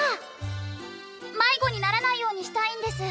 迷子にならないようにしたいんです。